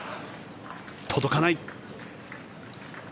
届かない。